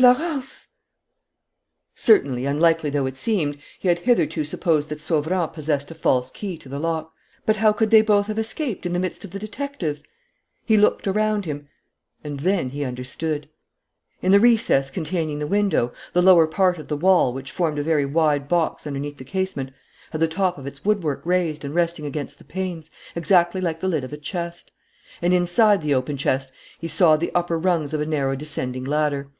Florence " Certainly, unlikely though it seemed, he had hitherto supposed that Sauverand possessed a false key to the lock. But how could they both have escaped, in the midst of the detectives? He looked around him. And then he understood. In the recess containing the window, the lower part of the wall, which formed a very wide box underneath the casement, had the top of its woodwork raised and resting against the panes, exactly like the lid of a chest. And inside the open chest he saw the upper rungs of a narrow descending ladder.